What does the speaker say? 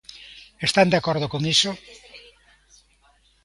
¿Están de acordo con iso?